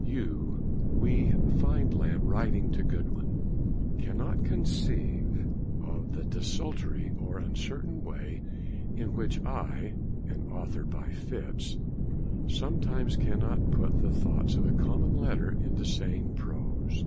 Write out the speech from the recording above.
'You,' we find Lamb writing to Godwin, 'cannot conceive of the desultory and uncertain way in which I (an author by fits) sometimes cannot put the thoughts of a common letter into sane prose....